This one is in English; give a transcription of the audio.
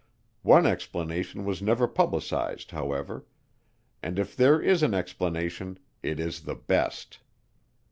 One explanation was never publicized, however, and if there is an explanation, it is the best.